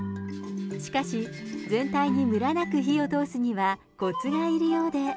しかし、全体にむらなく火を通すにはこつがいるようで。